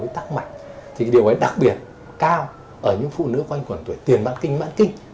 thì điều ấy đặc biệt cao ở những phụ nữ quanh quần tuổi tiền bản kinh bản kinh